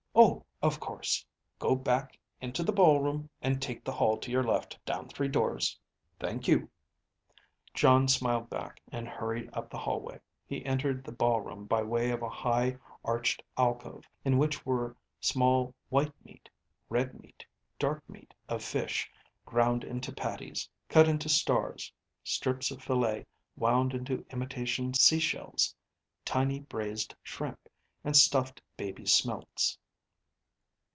"Oh. Of course. Go back into the ballroom and take the hall to your left down three doors." "Thank you," Jon smiled back and hurried up the hallway. He entered the ballroom by way of a high, arched alcove in which were small white meat, red meat, dark meat of fish ground into patties, cut into stars, strips of fillet wound into imitation sea shells, tiny braised shrimp, and stuffed baby smelts.